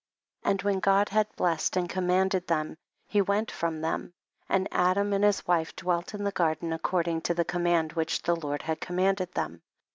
8. And when God had blessed and commanded them he went from them, and Adam and his wife dwelt in the garden according to the com mand which the Lord had command ed them.